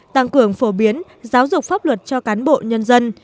tăng cường phổ biến giáo dục pháp luật cho cán bộ nhân dân